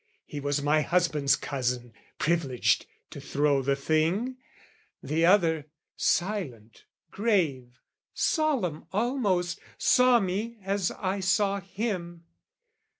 He was my husband's cousin, privileged To throw the thing: the other, silent, grave, Solemn almost, saw me, as I saw him.